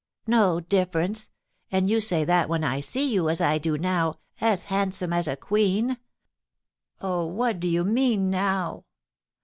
"No difference! And you say that when I see you, as I do now, as handsome as a queen. Oh, what do you mean now?